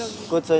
tapi siap ya